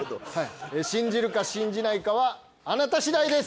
信じるか信じないかはあなた次第です。